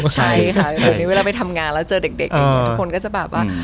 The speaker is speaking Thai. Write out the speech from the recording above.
ใช่ค่ะเวลาไปทำงานแล้วเจอเด็กทุกคนก็จะแบบว่า